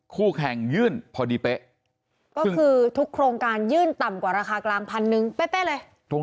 คู่แข่งยื่นพอดีเป๊ะก็คือทุกโครงการยื่นต่ำกว่าราคากลางพันหนึ่งเป๊ะเลย